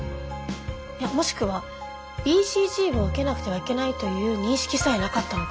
もしくはＢＣＧを受けなくてはいけないという認識さえなかったのかも。